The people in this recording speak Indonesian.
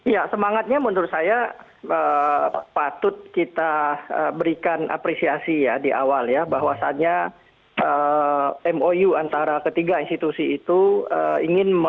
ya semangatnya menurut saya patut kita berikan apresiasi ya di awal ya bahwasannya mou antara ketiga institusi itu ingin